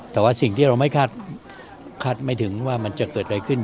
แต่ว่าสิ่งที่เราไม่คาดไม่ถึงว่ามันจะเกิดอะไรขึ้น